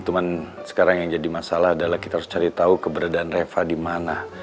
cuma sekarang yang jadi masalah adalah kita harus cari tahu keberadaan reva di mana